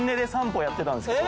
やってたんですけど。